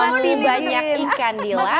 masih banyak ikan di laut